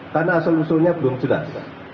karena solusinya belum jelas